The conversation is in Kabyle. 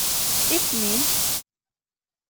Isem-im?